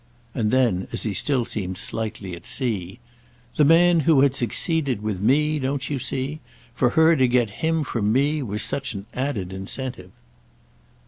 And then, as he still seemed slightly at sea: "The man who had succeeded with me, don't you see? For her to get him from me was such an added incentive."